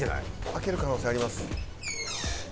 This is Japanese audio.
開ける可能性あります。